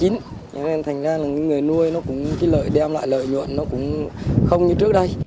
cho nên thành ra là cái người nuôi nó cũng cái lợi đem lại lợi nhuận nó cũng không như trước đây